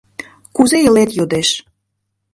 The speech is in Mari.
Кузе илет, йодеш.